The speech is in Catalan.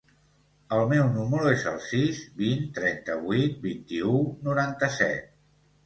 El meu número es el sis, vint, trenta-vuit, vint-i-u, noranta-set.